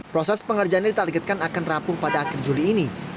proses pengerjaan yang ditargetkan akan terampung pada akhir juli ini